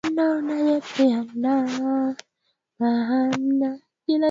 kurejea na zimesheheni na bidhaa nyingine kama vile chakula kilichokua kinahitajika